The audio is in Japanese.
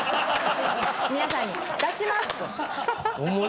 皆さんに「出します！」と。面白い。